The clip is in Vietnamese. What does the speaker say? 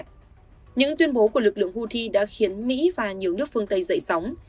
những tuyên bố của lực lượng houthi đã khiến mỹ và nhiều nước phương tây dậy sóng